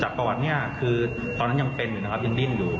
ประวัตินี้คือตอนนั้นยังเป็นอยู่นะครับยังดิ้นอยู่